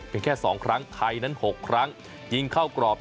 เพียงแค่สองครั้งไทยนั้นหกครั้งยิงเข้ากรอบ